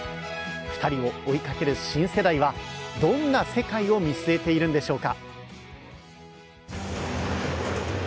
２人を追いかける新世代はどんな世界を見据えているんでしょうか。